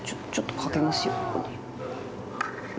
ちょっとかけますよ。